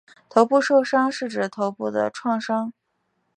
头部受伤是指头部的创伤。